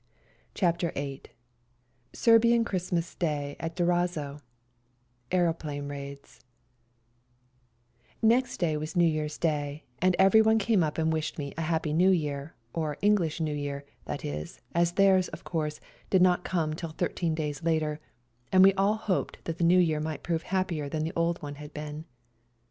CHAPTER VIII SERBIAN CHRISTMAS DAY AT DURAZZO — AEROPLANE RAIDS Next day was New Year's Day, and everyone came up and wished me a Happy New Year, our English New Year, that is, as theirs, of course, did not come till thirteen days later, and we all hoped that the New Year might prove happier than the old one had been.